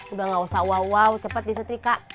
udah gak usah wow wow cepat disetrika